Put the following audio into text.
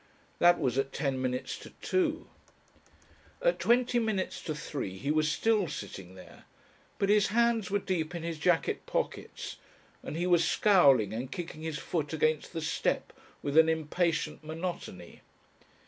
That was at ten minutes to two. At twenty minutes to three he was still sitting there, but his hands were deep in his jacket pockets, and he was scowling and kicking his foot against the step with an impatient monotony.